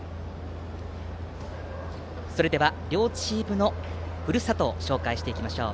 それでは、両チームのふるさとを紹介していきましょう。